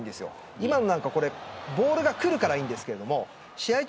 今のはボールがくるからいいですけど試合中